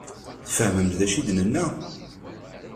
Tfehmemt d acu i d-nenna?